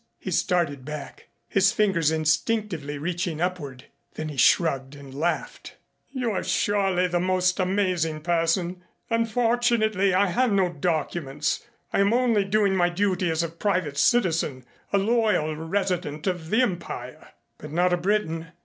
He started back, his fingers instinctively reaching upward. Then he shrugged and laughed. "You are surely the most amazing person. Unfortunately I have no documents. I am only doing my duty as a private citizen a loyal resident of the Empire." "But not a Briton.